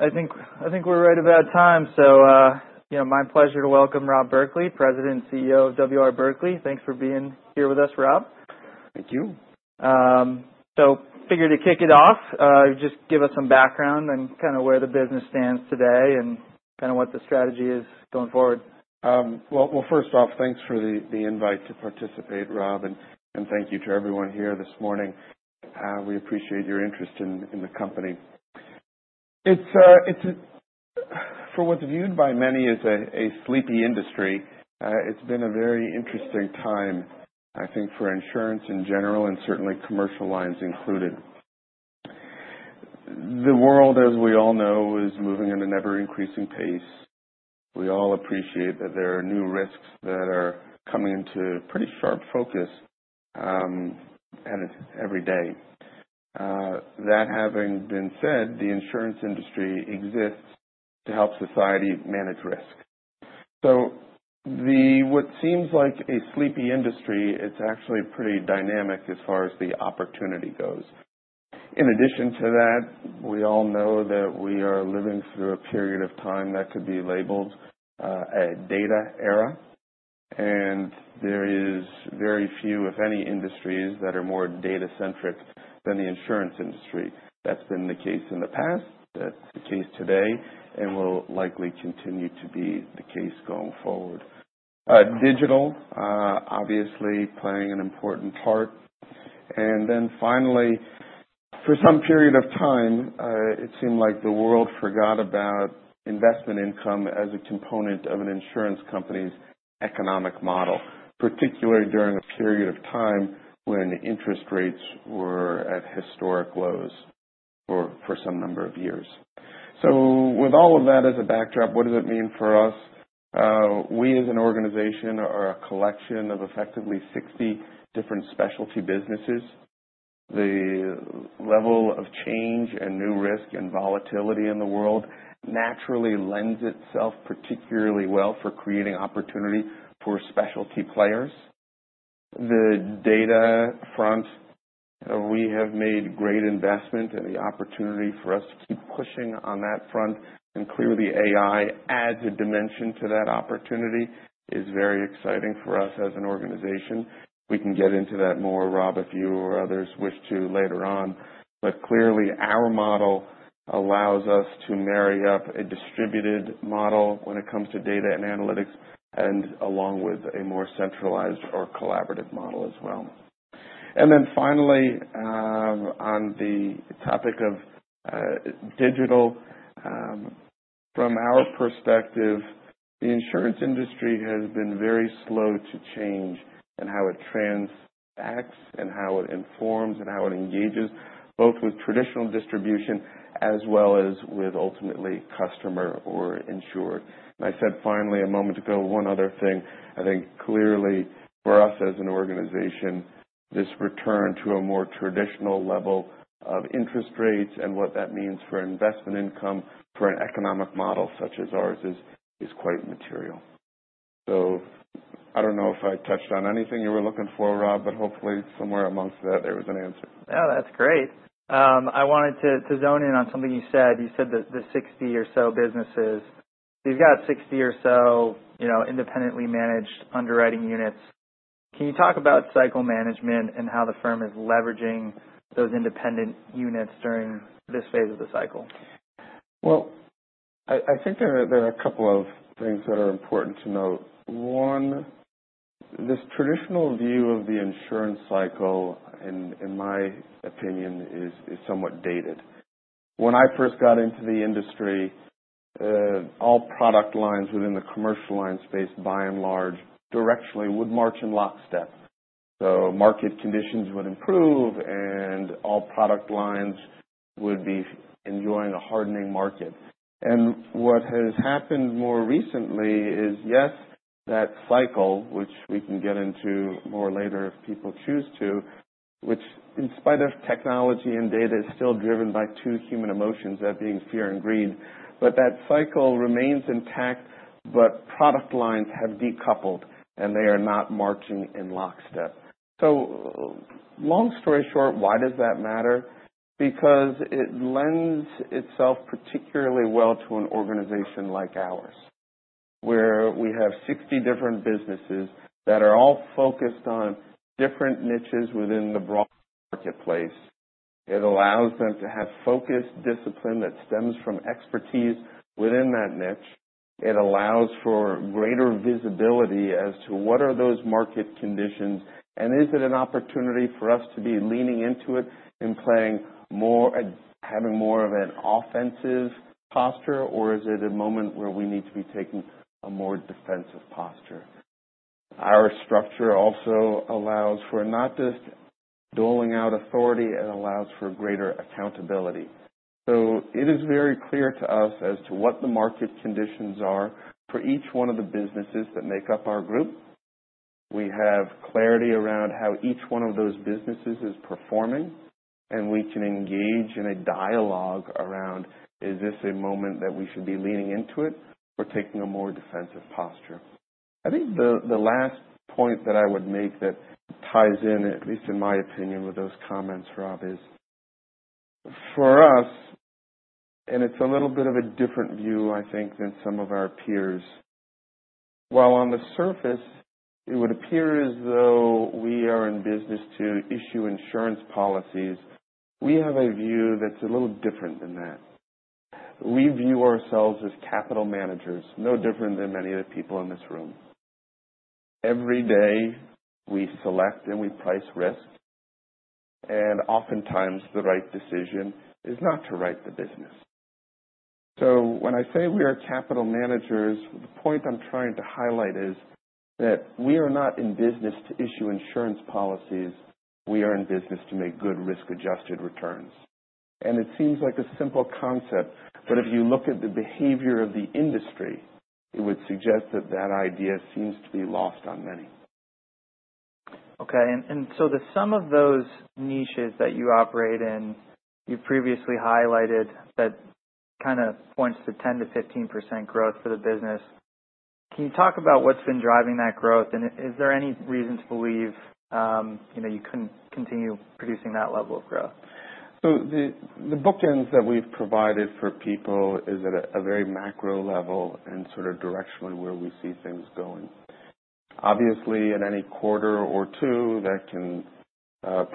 All right. I think we're right about time. You know, my pleasure to welcome Rob Berkley, President and CEO of W. R. Berkley. Thanks for being here with us, Rob. Thank you. Figured to kick it off, just give us some background and kinda where the business stands today and kinda what the strategy is going forward. Well, first off, thanks for the invite to participate, Rob, and thank you to everyone here this morning. We appreciate your interest in the company. It's a for what's viewed by many as a sleepy industry. It's been a very interesting time, I think, for insurance in general and certainly commercial lines included. The world, as we all know, is moving at an ever-increasing pace. We all appreciate that there are new risks that are coming into pretty sharp focus, and it's every day. That having been said, the insurance industry exists to help society manage risk. So what seems like a sleepy industry, it's actually pretty dynamic as far as the opportunity goes. In addition to that, we all know that we are living through a period of time that could be labeled a data era. And there is very few, if any, industries that are more data-centric than the insurance industry. That's been the case in the past. That's the case today and will likely continue to be the case going forward. Digital, obviously, playing an important part. And then finally, for some period of time, it seemed like the world forgot about investment income as a component of an insurance company's economic model, particularly during a period of time when interest rates were at historic lows for some number of years. So with all of that as a backdrop, what does it mean for us? We as an organization are a collection of effectively 60 different specialty businesses. The level of change and new risk and volatility in the world naturally lends itself particularly well for creating opportunity for specialty players. The data front, we have made great investment, and the opportunity for us to keep pushing on that front and clearly AI adds a dimension to that opportunity is very exciting for us as an organization. We can get into that more, Rob, if you or others wish to later on, but clearly, our model allows us to marry up a distributed model when it comes to data and analytics and along with a more centralized or collaborative model as well, and then finally, on the topic of digital, from our perspective, the insurance industry has been very slow to change in how it transacts and how it informs and how it engages, both with traditional distribution as well as with ultimately customer or insured, and I said finally a moment ago, one other thing. I think clearly for us as an organization, this return to a more traditional level of interest rates and what that means for investment income for an economic model such as ours is quite material. So I don't know if I touched on anything you were looking for, Rob, but hopefully somewhere amongst that there was an answer. No, that's great. I wanted to zone in on something you said. You said that the 60 or so businesses, you've got 60 or so, you know, independently managed underwriting units. Can you talk about cycle management and how the firm is leveraging those independent units during this phase of the cycle? I think there are a couple of things that are important to note. One, this traditional view of the insurance cycle, in my opinion, is somewhat dated. When I first got into the industry, all product lines within the commercial lines space, by and large, directionally would march in lockstep. Market conditions would improve and all product lines would be enjoying a hardening market. What has happened more recently is, yes, that cycle, which we can get into more later if people choose to, which in spite of technology and data is still driven by two human emotions, that being fear and greed, but that cycle remains intact, but product lines have decoupled and they are not marching in lockstep. Long story short, why does that matter? Because it lends itself particularly well to an organization like ours, where we have 60 different businesses that are all focused on different niches within the broad marketplace. It allows them to have focused discipline that stems from expertise within that niche. It allows for greater visibility as to what are those market conditions and is it an opportunity for us to be leaning into it and playing more and having more of an offensive posture, or is it a moment where we need to be taking a more defensive posture? Our structure also allows for not just doling out authority. It allows for greater accountability. So it is very clear to us as to what the market conditions are for each one of the businesses that make up our group. We have clarity around how each one of those businesses is performing, and we can engage in a dialogue around, is this a moment that we should be leaning into it or taking a more defensive posture? I think the last point that I would make that ties in, at least in my opinion, with those comments, Rob, is for us, and it's a little bit of a different view, I think, than some of our peers. While on the surface, it would appear as though we are in business to issue insurance policies, we have a view that's a little different than that. We view ourselves as capital managers, no different than many of the people in this room. Every day we select and we price risk, and oftentimes the right decision is not to write the business. So when I say we are capital managers, the point I'm trying to highlight is that we are not in business to issue insurance policies. We are in business to make good risk-adjusted returns. And it seems like a simple concept, but if you look at the behavior of the industry, it would suggest that that idea seems to be lost on many. Okay. And so the sum of those niches that you operate in, you previously highlighted that kinda points to 10%-15% growth for the business. Can you talk about what's been driving that growth, and is there any reason to believe, you know, you couldn't continue producing that level of growth? So the bookends that we've provided for people is at a very macro level and sort of directionally where we see things going. Obviously, in any quarter or two, that can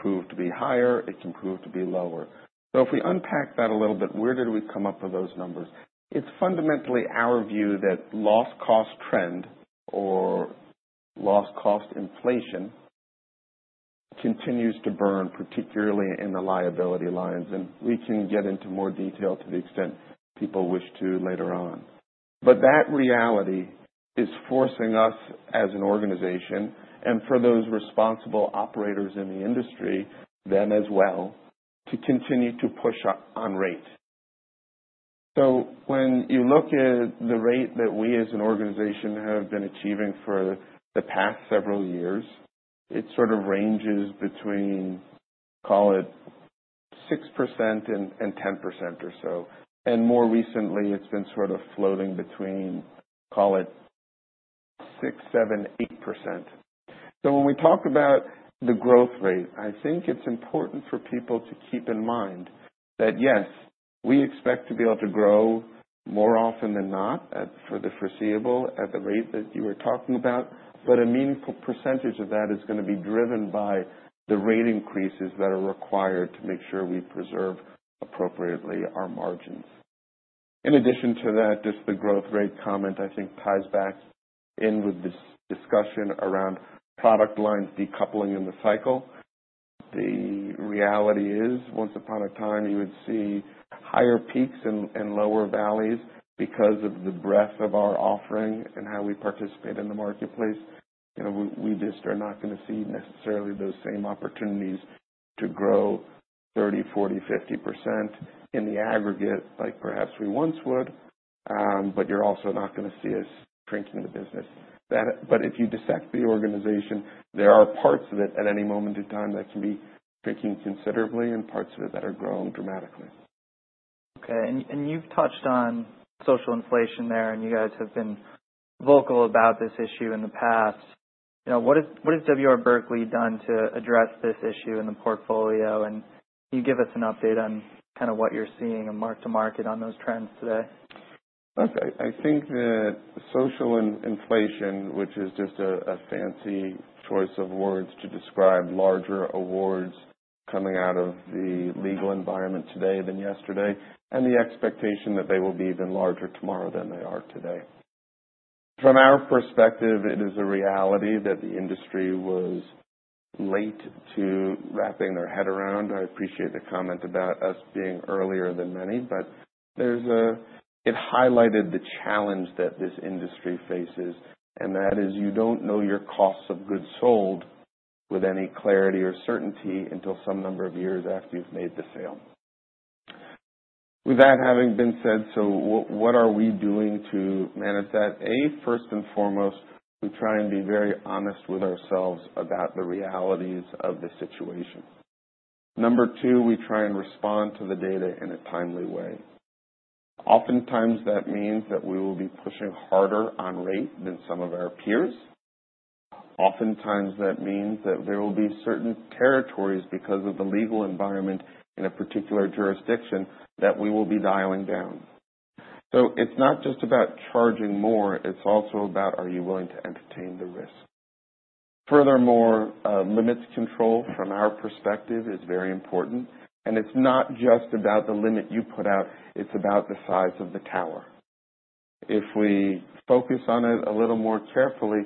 prove to be higher. It can prove to be lower. So if we unpack that a little bit, where did we come up with those numbers? It's fundamentally our view that loss-cost trend or loss-cost inflation continues to burn, particularly in the liability lines. And we can get into more detail to the extent people wish to later on. But that reality is forcing us as an organization and for those responsible operators in the industry, them as well, to continue to push on rate. So when you look at the rate that we as an organization have been achieving for the past several years, it sort of ranges between, call it 6%-10% or so. And more recently, it's been sort of floating between, call it 6%-8%. So when we talk about the growth rate, I think it's important for people to keep in mind that, yes, we expect to be able to grow more often than not, for the foreseeable, at the rate that you were talking about, but a meaningful percentage of that is gonna be driven by the rate increases that are required to make sure we preserve appropriately our margins. In addition to that, just the growth rate comment, I think, ties back in with this discussion around product lines decoupling in the cycle. The reality is, once upon a time, you would see higher peaks and lower valleys because of the breadth of our offering and how we participate in the marketplace. You know, we just are not gonna see necessarily those same opportunities to grow 30%, 40%, 50% in the aggregate like perhaps we once would, but you're also not gonna see us shrinking the business. But if you dissect the organization, there are parts of it at any moment in time that can be shrinking considerably and parts of it that are growing dramatically. Okay. And you've touched on social inflation there, and you guys have been vocal about this issue in the past. You know, what has W. R. Berkley done to address this issue in the portfolio? And can you give us an update on kind of what you're seeing and mark to market on those trends today? Okay. I think that social inflation, which is just a fancy choice of words to describe larger awards coming out of the legal environment today than yesterday, and the expectation that they will be even larger tomorrow than they are today. From our perspective, it is a reality that the industry was late to wrapping their head around. I appreciate the comment about us being earlier than many, but it highlighted the challenge that this industry faces, and that is you don't know your costs of goods sold with any clarity or certainty until some number of years after you've made the sale. With that having been said, so what are we doing to manage that? A, first and foremost, we try and be very honest with ourselves about the realities of the situation. Number two, we try and respond to the data in a timely way. Oftentimes, that means that we will be pushing harder on rate than some of our peers. Oftentimes, that means that there will be certain territories because of the legal environment in a particular jurisdiction that we will be dialing down. So it's not just about charging more. It's also about, are you willing to entertain the risk? Furthermore, limits control from our perspective is very important. And it's not just about the limit you put out. It's about the size of the tower. If we focus on it a little more carefully,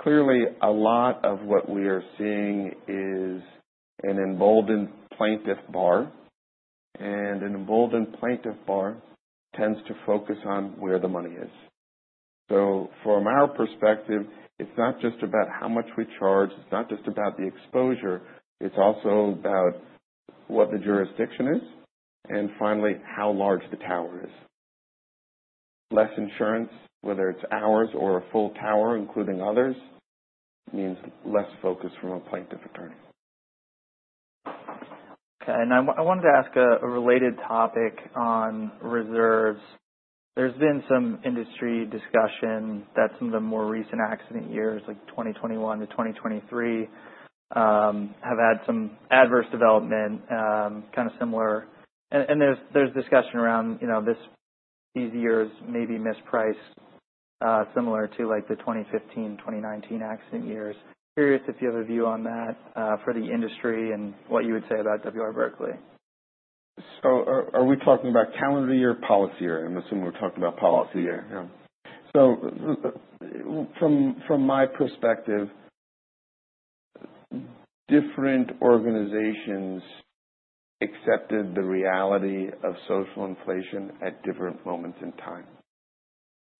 clearly, a lot of what we are seeing is an emboldened plaintiff bar. And an emboldened plaintiff bar tends to focus on where the money is. So from our perspective, it's not just about how much we charge. It's not just about the exposure. It's also about what the jurisdiction is and finally how large the tower is. Less insurance, whether it's ours or a full tower including others, means less focus from a plaintiff attorney. Okay. And I wanted to ask a related topic on reserves. There's been some industry discussion that some of the more recent accident years, like 2021 to 2023, have had some adverse development, kinda similar. And there's discussion around, you know, these years may be mispriced, similar to like the 2015, 2019 accident years. Curious if you have a view on that, for the industry and what you would say about W. R. Berkley? So are we talking about calendar year or policy year? I'm assuming we're talking about policy year. Policy year. Yeah. So from my perspective, different organizations accepted the reality of social Inflation at different moments in time.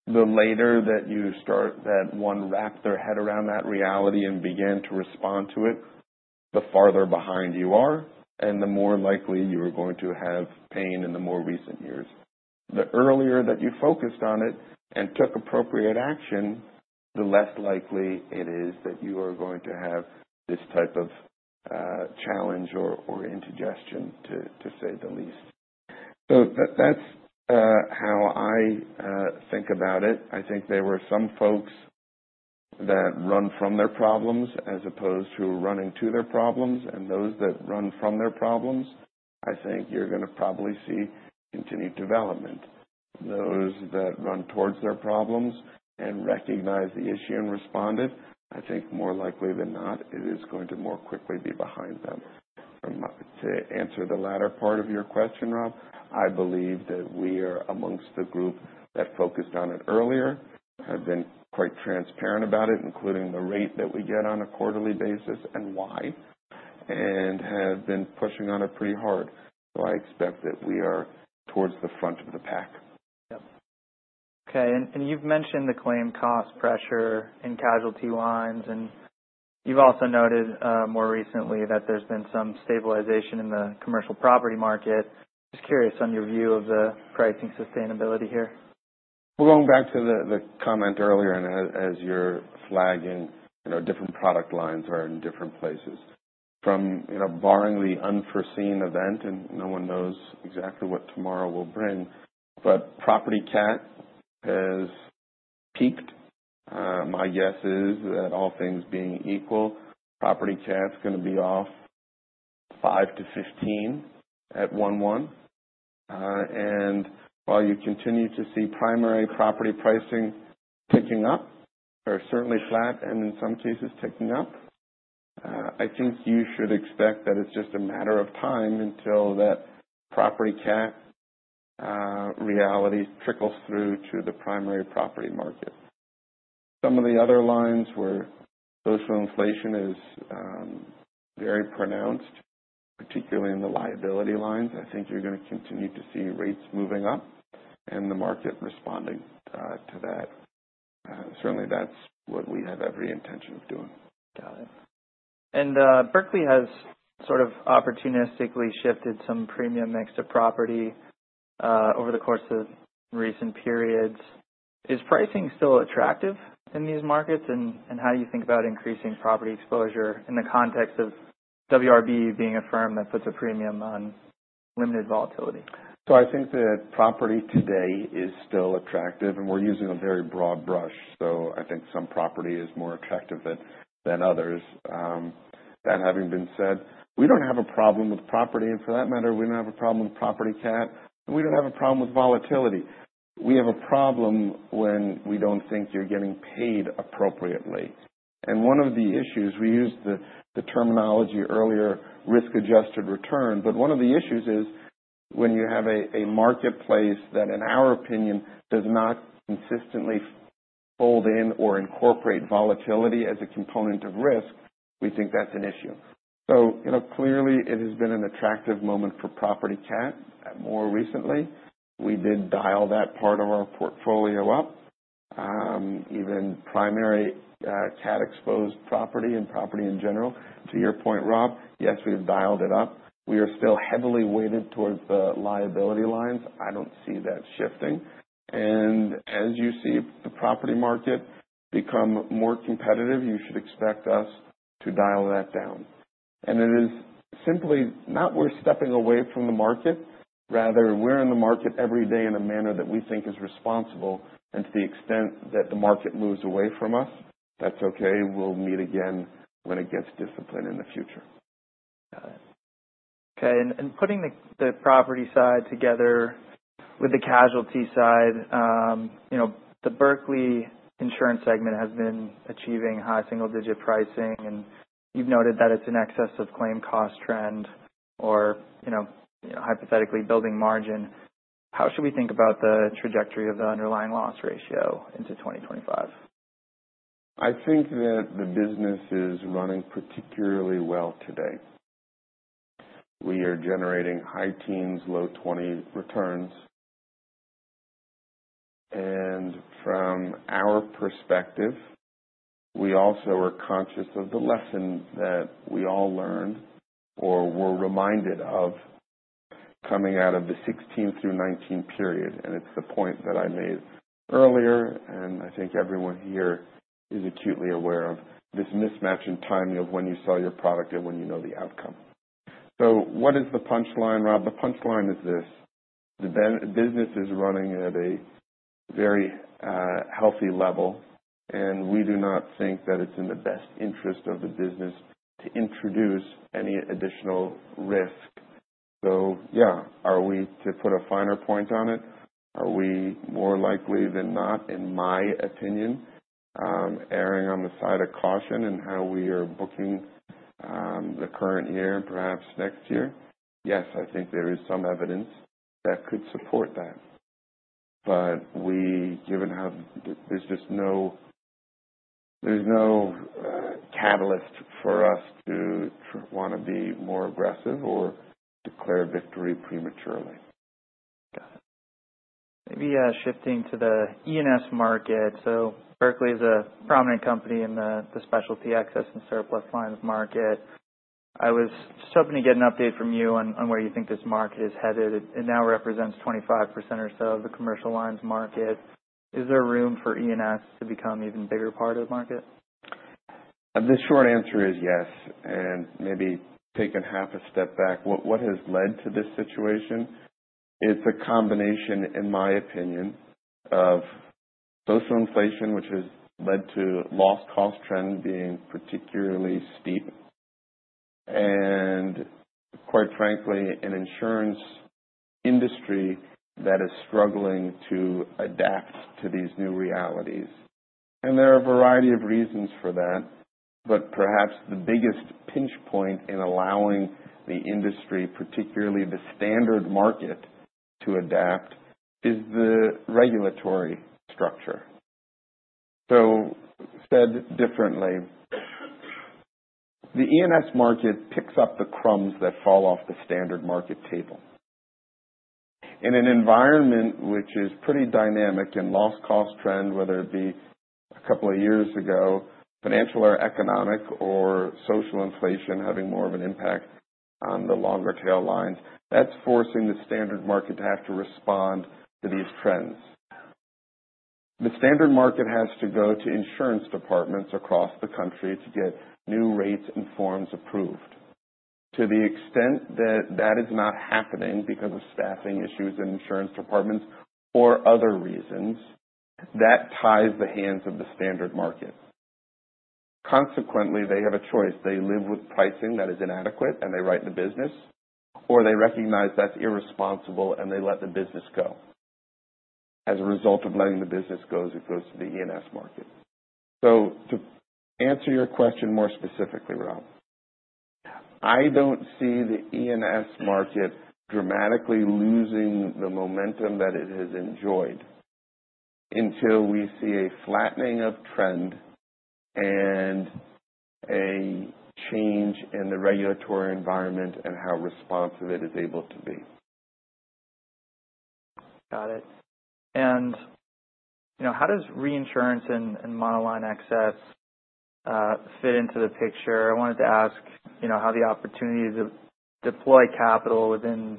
The later that you start to wrap your head around that reality and began to respond to it, the farther behind you are and the more likely you are going to have pain in the more recent years. The earlier that you focused on it and took appropriate action, the less likely it is that you are going to have this type of challenge or indigestion, to say the least. So that's how I think about it. I think there were some folks that run from their problems as opposed to running to their problems. And those that run from their problems, I think you're gonna probably see continued development. Those that run towards their problems and recognize the issue and responded. I think more likely than not, it is going to more quickly be behind them. To answer the latter part of your question, Rob, I believe that we are amongst the group that focused on it earlier, have been quite transparent about it, including the rate that we get on a quarterly basis and why, and have been pushing on it pretty hard. So I expect that we are towards the front of the pack. Yep. Okay. And you've mentioned the claim cost pressure and casualty lines. And you've also noted, more recently, that there's been some stabilization in the commercial property market. Just curious on your view of the pricing sustainability here. Going back to the comment earlier and as you're flagging, you know, different product lines are in different places. From you know, barring the unforeseen event, and no one knows exactly what tomorrow will bring, but property cat has peaked. My guess is that all things being equal, property cat's gonna be off 5%-15% at 1/1, and while you continue to see primary property pricing picking up or certainly flat and in some cases ticking up, I think you should expect that it's just a matter of time until that property cat reality trickles through to the primary property market. Some of the other lines where social inflation is very pronounced, particularly in the liability lines, I think you're gonna continue to see rates moving up and the market responding to that. Certainly that's what we have every intention of doing. Got it. And, Berkley has sort of opportunistically shifted some premium mix to property, over the course of recent periods. Is pricing still attractive in these markets? And how do you think about increasing property exposure in the context of WRB. being a firm that puts a premium on limited volatility? So I think that property today is still attractive, and we're using a very broad brush. So I think some property is more attractive than others. That having been said, we don't have a problem with property. And for that matter, we don't have a problem with property cat. And we don't have a problem with volatility. We have a problem when we don't think you're getting paid appropriately. And one of the issues we used the terminology earlier, risk-adjusted return, but one of the issues is when you have a marketplace that, in our opinion, does not consistently fold in or incorporate volatility as a component of risk, we think that's an issue. So, you know, clearly, it has been an attractive moment for property cat. More recently, we did dial that part of our portfolio up, even primary, cat-exposed property and property in general. To your point, Rob, yes, we've dialed it up. We are still heavily weighted towards the liability lines. I don't see that shifting. And as you see the property market become more competitive, you should expect us to dial that down. And it is simply not we're stepping away from the market. Rather, we're in the market every day in a manner that we think is responsible. And to the extent that the market moves away from us, that's okay. We'll meet again when it gets disciplined in the future. Got it. Okay. And putting the property side together with the casualty side, you know, the Berkley insurance segment has been achieving high single-digit pricing. And you've noted that it's in excess of claim cost trend or, you know, hypothetically building margin. How should we think about the trajectory of the underlying loss ratio into 2025? I think that the business is running particularly well today. We are generating high teens, low 20s returns. And from our perspective, we also are conscious of the lesson that we all learned or were reminded of coming out of the 2016 through 2019 period. And it's the point that I made earlier. And I think everyone here is acutely aware of this mismatch in timing of when you sell your product and when you know the outcome. So what is the punchline, Rob? The punchline is this: the business is running at a very healthy level. And we do not think that it's in the best interest of the business to introduce any additional risk. So yeah, are we to put a finer point on it? Are we more likely than not, in my opinion, erring on the side of caution in how we are booking the current year and perhaps next year? Yes, I think there is some evidence that could support that. But we, given how there's just no catalyst for us to want to be more aggressive or declare victory prematurely. Got it. Maybe shifting to the E&S market. So Berkley is a prominent company in the specialty excess and surplus lines market. I was just hoping to get an update from you on where you think this market is headed. It now represents 25% or so of the commercial lines market. Is there room for E&S to become even bigger part of the market? The short answer is yes. Maybe taking half a step back, what has led to this situation? It's a combination, in my opinion, of social inflation, which has led to loss cost trend being particularly steep, and quite frankly, an insurance industry that is struggling to adapt to these new realities. There are a variety of reasons for that. Perhaps the biggest pinch point in allowing the industry, particularly the standard market, to adapt is the regulatory structure. Said differently, the E&S market picks up the crumbs that fall off the standard market table. In an environment which is pretty dynamic in loss cost trend, whether it be a couple of years ago, financial or economic, or social inflation having more of an impact on the longer tail lines, that's forcing the standard market to have to respond to these trends. The standard market has to go to insurance departments across the country to get new rates and forms approved. To the extent that that is not happening because of staffing issues in insurance departments or other reasons, that ties the hands of the standard market. Consequently, they have a choice. They live with pricing that is inadequate and they write the business, or they recognize that's irresponsible and they let the business go. As a result of letting the business go, it goes to the E&S market. So to answer your question more specifically, Rob, I don't see the E&S market dramatically losing the momentum that it has enjoyed until we see a flattening of trend and a change in the regulatory environment and how responsive it is able to be. Got it, and, you know, how does reinsurance and multi-line assets fit into the picture? I wanted to ask, you know, how the opportunity to deploy capital within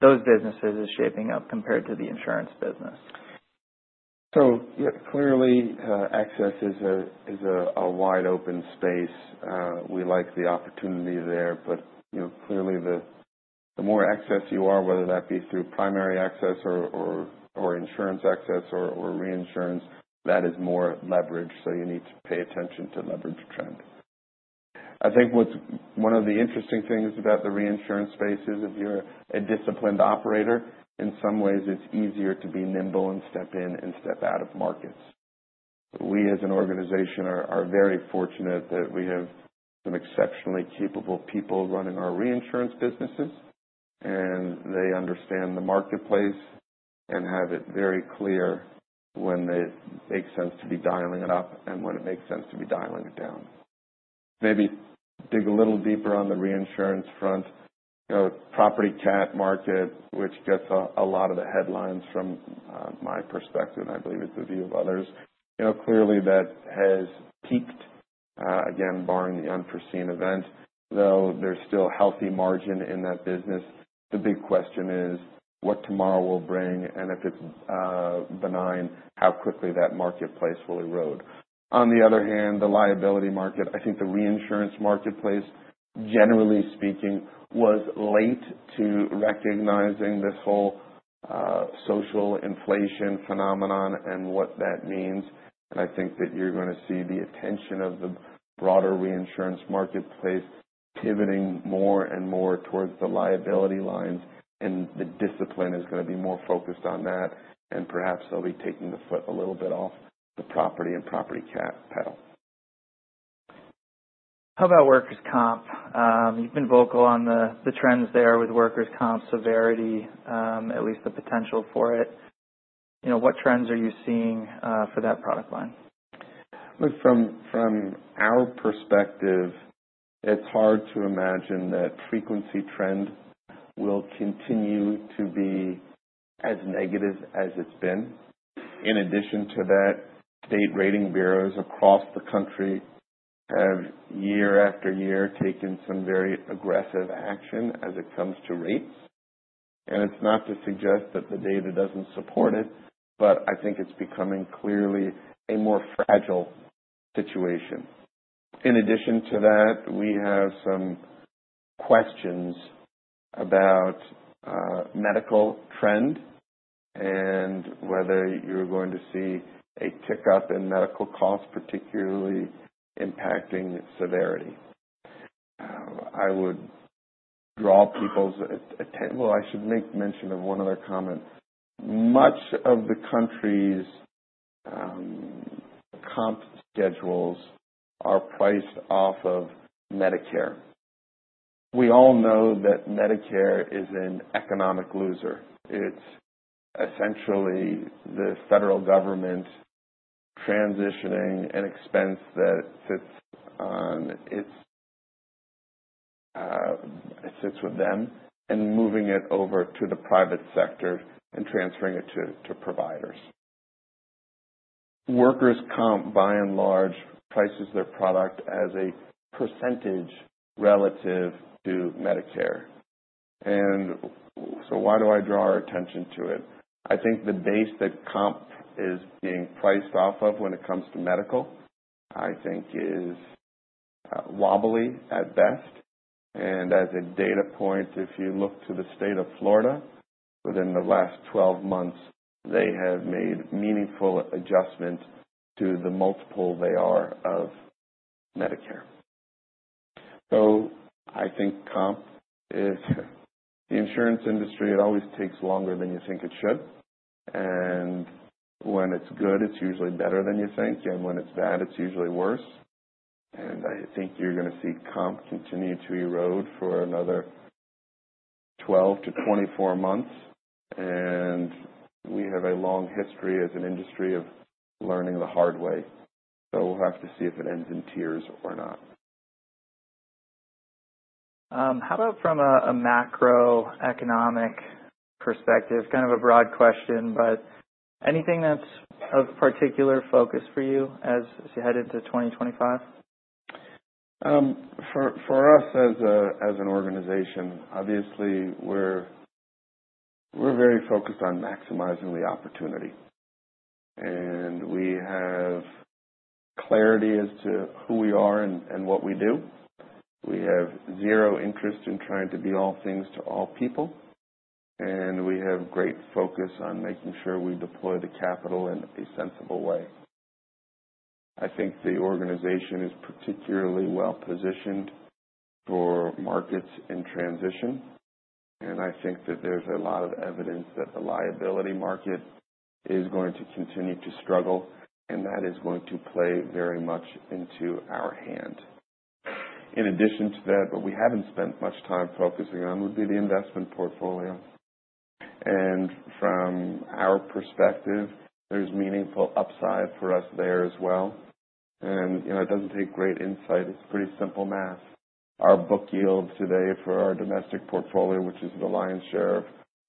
those businesses is shaping up compared to the insurance business. So clearly, excess is a wide open space. We like the opportunity there. But, you know, clearly, the more excess you are, whether that be through primary excess or insurance excess or reinsurance, that is more leverage. So you need to pay attention to leverage trend. I think what's one of the interesting things about the reinsurance space is if you're a disciplined operator, in some ways, it's easier to be nimble and step in and step out of markets. We, as an organization, are very fortunate that we have some exceptionally capable people running our reinsurance businesses. And they understand the marketplace and have it very clear when it makes sense to be dialing it up and when it makes sense to be dialing it down. Maybe dig a little deeper on the reinsurance front. You know, property cat market, which gets a lot of the headlines from my perspective, and I believe it's the view of others. You know, clearly, that has peaked, again, barring the unforeseen event, though there's still healthy margin in that business. The big question is what tomorrow will bring. And if it's benign, how quickly that marketplace will erode. On the other hand, the liability market, I think the reinsurance marketplace, generally speaking, was late to recognizing this whole social inflation phenomenon and what that means. And I think that you're gonna see the attention of the broader reinsurance marketplace pivoting more and more towards the liability lines. And the discipline is gonna be more focused on that. And perhaps they'll be taking the foot a little bit off the property and property cat pedal. How about workers' comp? You've been vocal on the trends there with workers' comp severity, at least the potential for it. You know, what trends are you seeing, for that product line? Look, from our perspective, it's hard to imagine that frequency trend will continue to be as negative as it's been. In addition to that, state rating bureaus across the country have, year after year, taken some very aggressive action as it comes to rates, and it's not to suggest that the data doesn't support it, but I think it's becoming clearly a more fragile situation. In addition to that, we have some questions about medical trend and whether you're going to see a tick up in medical costs, particularly impacting severity. I would draw people's attention. Well, I should make mention of one other comment. Much of the country's comp schedules are priced off of Medicare. We all know that Medicare is an economic loser. It's essentially the federal government transitioning an expense that sits on its, it sits with them, and moving it over to the private sector and transferring it to providers. Workers' comp, by and large, prices their product as a percentage relative to Medicare, and so why do I draw our attention to it? I think the base that comp is being priced off of when it comes to medical, I think, is wobbly at best, and as a data point, if you look to the state of Florida, within the last 12 months, they have made meaningful adjustments to the multiple they are of Medicare, so I think comp is the insurance industry, it always takes longer than you think it should, and when it's good, it's usually better than you think. And when it's bad, it's usually worse. And I think you're gonna see comp continue to erode for another 12 months-24 months. And we have a long history as an industry of learning the hard way. So we'll have to see if it ends in tears or not. How about from a macroeconomic perspective? Kind of a broad question, but anything that's of particular focus for you as you head into 2025? For us as an organization, obviously, we're very focused on maximizing the opportunity. We have clarity as to who we are and what we do. We have zero interest in trying to be all things to all people. We have great focus on making sure we deploy the capital in a sensible way. I think the organization is particularly well-positioned for markets in transition. I think that there's a lot of evidence that the liability market is going to continue to struggle. That is going to play very much into our hand. In addition to that, what we haven't spent much time focusing on would be the investment portfolio. From our perspective, there's meaningful upside for us there as well. You know, it doesn't take great insight. It's pretty simple math. Our book yield today for our domestic portfolio, which is the lion's share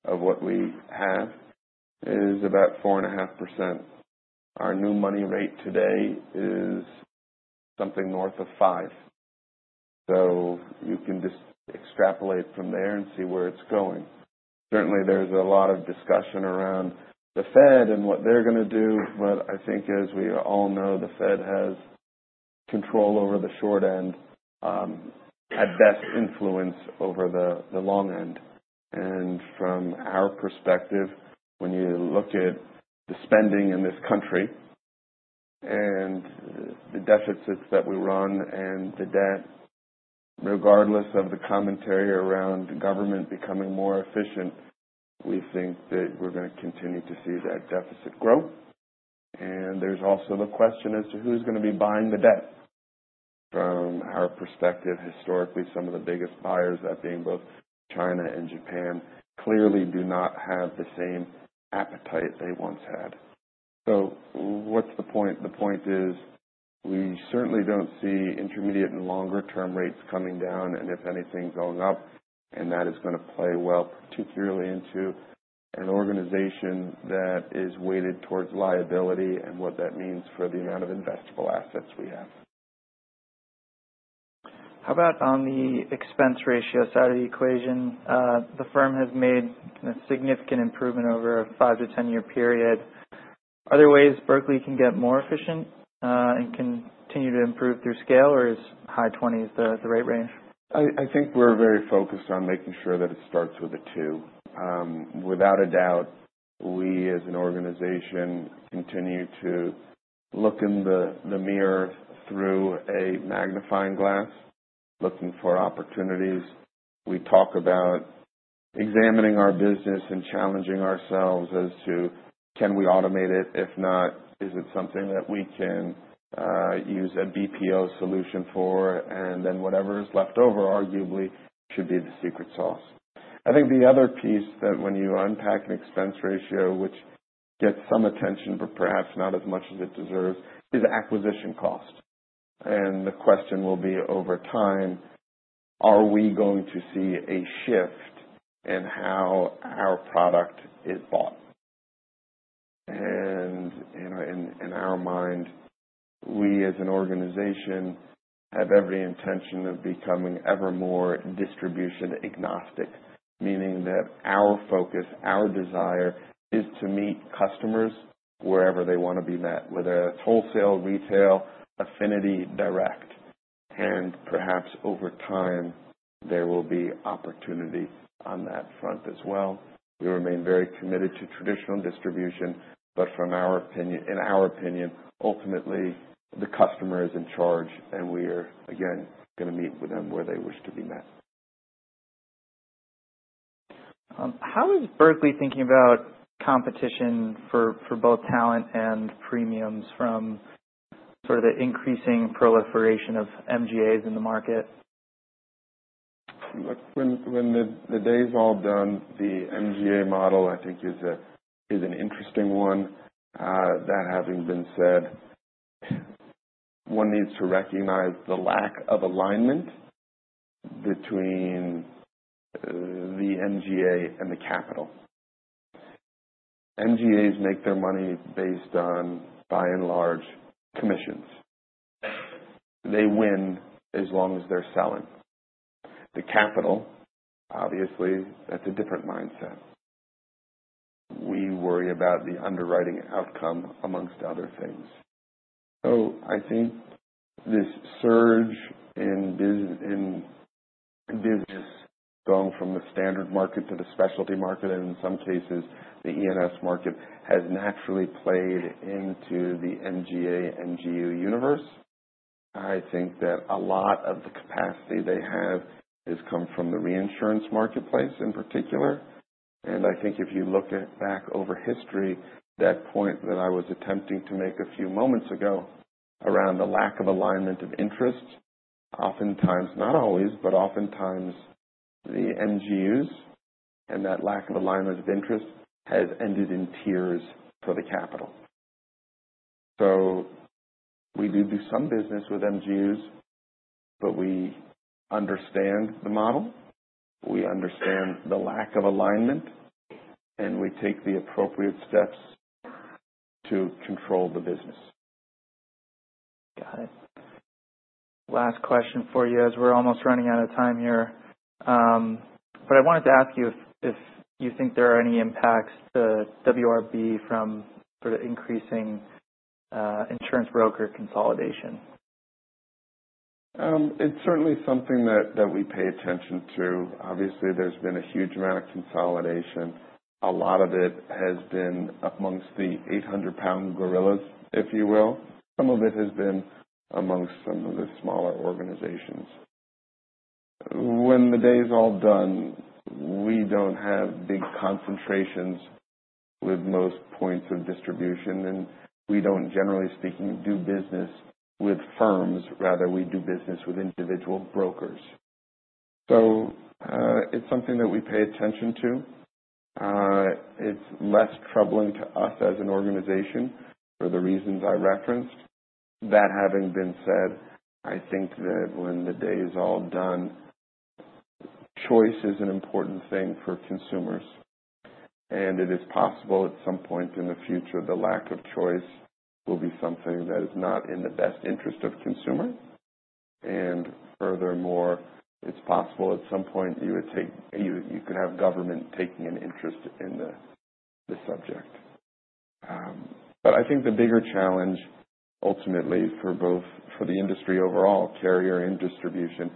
of what we have, is about 4.5%. Our new money rate today is something north of 5%. So you can just extrapolate from there and see where it's going. Certainly, there's a lot of discussion around the Fed and what they're gonna do. But I think, as we all know, the Fed has control over the short end, at best influence over the long end. And from our perspective, when you look at the spending in this country and the deficits that we run and the debt, regardless of the commentary around government becoming more efficient, we think that we're gonna continue to see that deficit grow. And there's also the question as to who's gonna be buying the debt. From our perspective, historically, some of the biggest buyers, that being both China and Japan, clearly do not have the same appetite they once had. So what's the point? The point is we certainly don't see intermediate and longer-term rates coming down and, if anything, going up, and that is gonna play well, particularly into an organization that is weighted towards liability and what that means for the amount of investable assets we have. How about on the expense ratio side of the equation? The firm has made a significant improvement over a five to 10-year period. Are there ways Berkley can get more efficient, and continue to improve through scale, or is high 20s the right range? I think we're very focused on making sure that it starts with a two. Without a doubt, we, as an organization, continue to look in the mirror through a magnifying glass, looking for opportunities. We talk about examining our business and challenging ourselves as to can we automate it? If not, is it something that we can use a BPO solution for? And then whatever is left over, arguably, should be the secret sauce. I think the other piece that when you unpack an expense ratio, which gets some attention but perhaps not as much as it deserves, is acquisition cost, and the question will be, over time, are we going to see a shift in how our product is bought? You know, in our mind, we, as an organization, have every intention of becoming ever more distribution-agnostic, meaning that our focus, our desire, is to meet customers wherever they wanna be met, whether that's wholesale, retail, affinity, direct. Perhaps, over time, there will be opportunity on that front as well. We remain very committed to traditional distribution. From our opinion, ultimately, the customer is in charge. We are, again, gonna meet with them where they wish to be met. How is Berkley thinking about competition for both talent and premiums from sort of the increasing proliferation of MGAs in the market? Look, when the day's all done, the MGA model, I think, is an interesting one. That having been said, one needs to recognize the lack of alignment between the MGA and the capital. MGAs make their money based on, by and large, commissions. They win as long as they're selling. The capital, obviously, that's a different mindset. We worry about the underwriting outcome, among other things. So I think this surge in business going from the standard market to the specialty market, and in some cases, the E&S market, has naturally played into the MGA/MGU universe. I think that a lot of the capacity they have has come from the reinsurance marketplace in particular. And I think if you look back over history, that point that I was attempting to make a few moments ago around the lack of alignment of interest, oftentimes not always, but oftentimes, the MGUs and that lack of alignment of interest has ended in tears for the capital. So we do do some business with MGUs, but we understand the model. We understand the lack of alignment. And we take the appropriate steps to control the business. Got it. Last question for you as we're almost running out of time here. But I wanted to ask you if you think there are any impacts to W. R. B. from sort of increasing insurance broker consolidation? It's certainly something that we pay attention to. Obviously, there's been a huge amount of consolidation. A lot of it has been among the 800 lbs gorillas, if you will. Some of it has been among some of the smaller organizations. When the day's all done, we don't have big concentrations with most points of distribution. And we don't, generally speaking, do business with firms. Rather, we do business with individual brokers. So, it's something that we pay attention to. It's less troubling to us as an organization for the reasons I referenced. That having been said, I think that when the day's all done, choice is an important thing for consumers. And it is possible, at some point in the future, the lack of choice will be something that is not in the best interest of consumers. Furthermore, it's possible, at some point, you could have government taking an interest in the subject. I think the bigger challenge, ultimately, for the industry overall, carrier and distribution,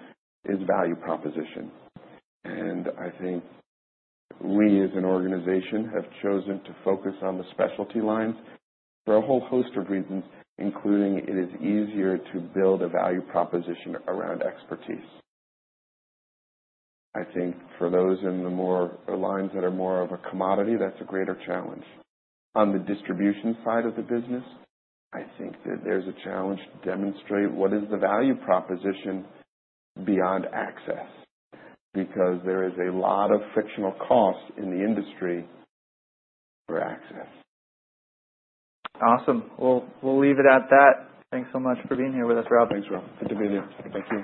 is value proposition. I think we, as an organization, have chosen to focus on the specialty lines for a whole host of reasons, including, it is easier to build a value proposition around expertise. I think for those in the more lines that are more of a commodity, that's a greater challenge. On the distribution side of the business, I think that there's a challenge to demonstrate what is the value proposition beyond access because there is a lot of frictional cost in the industry for access. Awesome. We'll leave it at that. Thanks so much for being here with us, Rob. Thanks, Rob. Good to be with you. Thank you.